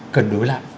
cần đối lại